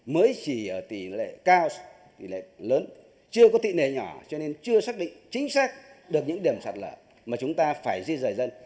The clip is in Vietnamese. mới chỉ ở tỷ lệ cao tỷ lệ lớn chưa có tỷ nề nhỏ cho nên chưa xác định chính xác được những điểm sạt lở mà chúng ta phải di rời dân